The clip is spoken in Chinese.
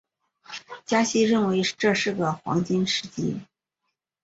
加西认为这是个黄金时机。